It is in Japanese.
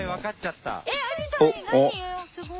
すごい。